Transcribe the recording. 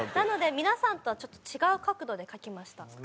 なので皆さんとはちょっと違う角度で描きました。